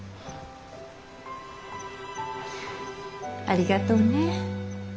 ありがとうね。